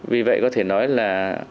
vì vậy có thể nói là